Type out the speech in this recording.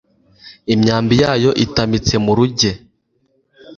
imyambi yayo itamitse mu ruge